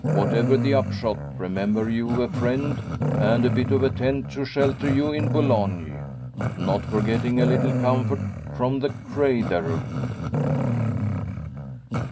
Whatever the upshot, remember you've a friend, and a bit of a tent to shelter you in Boulogne not forgetting a little comfort from the crayther!"